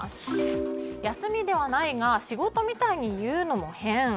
休みではないが仕事みたいに言うのも変。